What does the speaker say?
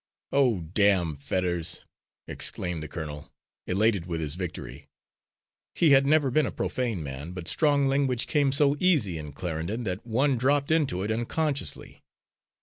"Oh, damn Fetters!" exclaimed the colonel, elated with his victory. He had never been a profane man, but strong language came so easy in Clarendon that one dropped into it unconsciously.